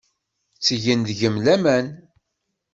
Ttgen deg-m laman.